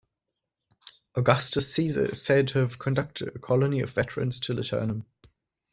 Augustus Caesar is said to have conducted a colony of veterans to Liternum.